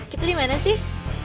kita dimana sih